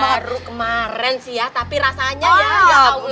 baru kemaren sih ya tapi rasanya ya ya allah